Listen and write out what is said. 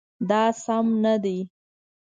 دا سم نه دی